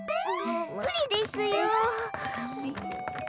無理ですよ。